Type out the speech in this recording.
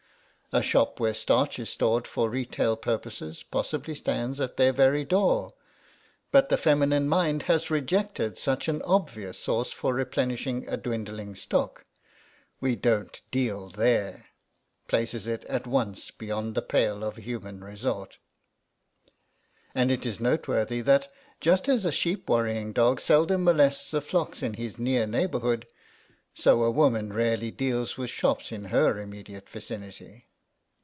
A shop where starch is stored for retail purposes possibly stands at their very door, but the feminine mind has rejected such an obvious source for replenishing a dwindling stock. "We don't deal there" places it at once beyond the pale of human resort. And it is noteworthy that, just as a sheep worrying dog seldom molests the flocks in his near neighbourhood, so a woman rarely deals with shops in her immediate vicinity.